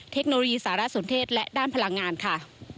เทคโนโลยีสารสนเทศและด้านพลังงานค่ะ